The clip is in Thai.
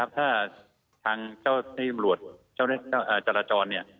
ถ้าทางเจ้าที่จราจรเนี่ย